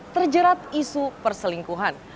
terjerat isu perselingkuhan